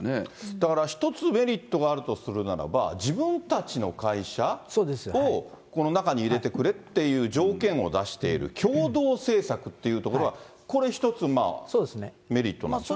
だから一つメリットがあるとするならば、自分たちの会社をこの中に入れてくれっていう条件を出している、共同制作っていうところは、これ一つまあ、メリットなんですか。